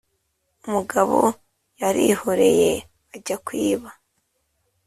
Umugabo yarihoreye ajya kwiba,